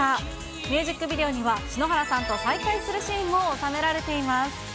ミュージックビデオには篠原さんと再会するシーンも収められています。